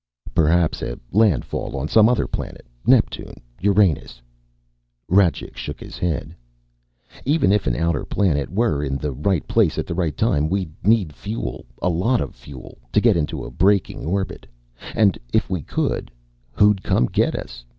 "Perhaps a landfall on some other planet Neptune, Uranus " Rajcik shook his head. "Even if an outer planet were in the right place at the right time, we'd need fuel a lot of fuel to get into a braking orbit. And if we could, who'd come get us?